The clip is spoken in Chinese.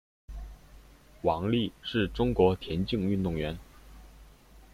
王丽是中国田径运动员。